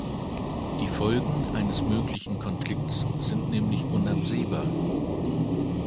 Die Folgen eines möglichen Konflikts sind nämlich unabsehbar.